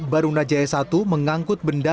baruna jaya i mengangkut benda